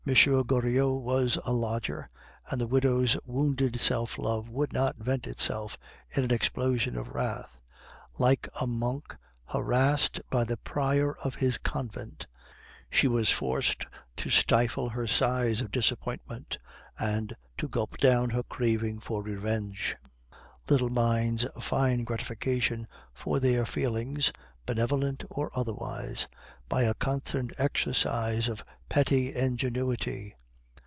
Goriot was a lodger, and the widow's wounded self love could not vent itself in an explosion of wrath; like a monk harassed by the prior of his convent, she was forced to stifle her sighs of disappointment, and to gulp down her craving for revenge. Little minds find gratification for their feelings, benevolent or otherwise, by a constant exercise of petty ingenuity.